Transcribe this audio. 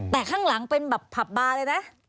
แต่ข้างหลังเป็นแบบผับบาร์เลยนะ